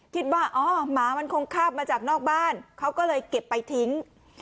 คิดว่าอ๋อหมามันคงคาบมาจากนอกบ้านเขาก็เลยเก็บไปทิ้ง